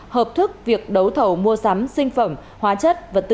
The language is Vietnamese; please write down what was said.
hợp thức việc đấu thầu mua sắm sinh phẩm hóa chất